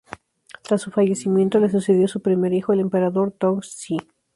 Tras su fallecimiento, le sucedió su primer hijo el emperador Tongzhi.